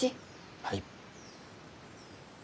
はい。